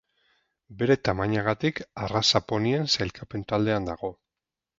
Bere tamainagatik arraza ponien sailkapen taldean dago.